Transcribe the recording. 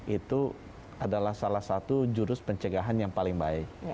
itu adalah salah satu jurus pencegahan yang paling baik